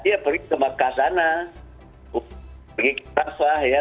dia pergi ke makassana pergi ke tafah ya